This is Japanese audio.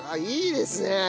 いいですね。